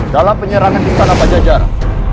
dalam penyerangan di sana pajajara